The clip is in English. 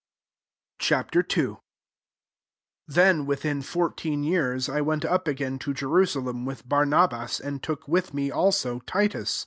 Ch. II. 1 Then, within fourteen years, I went up again to Jeru salem, with Barnabas, and took with me also Titus.